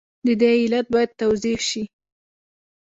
د دې علت باید توضیح شي.